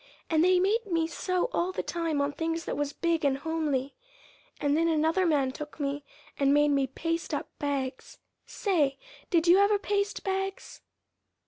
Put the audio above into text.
And they made me sew all the time on things that was big and homely, and then another man took me and made me paste up bags. Say, did you ever paste bags?"